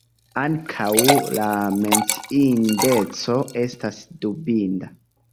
Ankaŭ, la menciindeco estas dubinda.